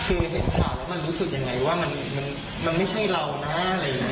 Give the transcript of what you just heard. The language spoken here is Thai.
คือเห็นข่าวแล้วมันรู้สึกยังไงว่ามันไม่ใช่เรานะอะไรอย่างนี้